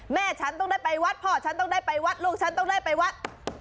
แม่ฉันต้องได้ไปวัดพ่อฉันต้องได้ไปวัดลูกฉันต้องได้ไปวัด